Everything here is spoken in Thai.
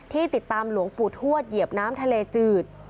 ที่ติดตามหลวงปู่ทวดเหยียบน้ำทะเลจืด